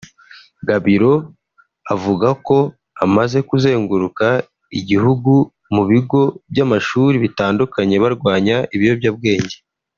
Gabiro avuga ko amaze kuzenguruka igihugu mu bigo by’amashuri bitandukanye barwanya ibiyobyabwenge